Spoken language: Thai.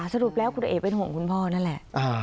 สรุปแล้วคุณเอ๋เป็นห่วงคุณพ่อนั่นแหละ